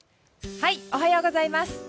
おはようございます。